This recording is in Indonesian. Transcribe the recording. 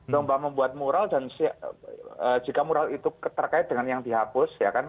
lomba membuat moral dan jika moral itu terkait dengan yang dihapus ya kan